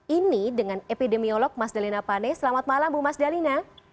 ini dengan epidemiolog mas dalina pane selamat malam bu mas dalina